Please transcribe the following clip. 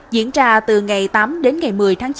diễn ra từ ngày tám đến ngày một mươi tháng chín